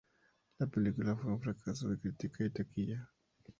La película fue un fracaso de crítica y taquilla.